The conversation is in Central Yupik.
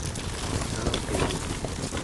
naaqivik